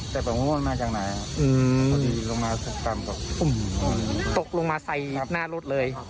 แต่ประโยชน์มันมาจากไหนพอดีลงมาตรงนั้นตกลงมาใส่หน้ารถเลย